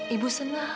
ibu senang sekali ma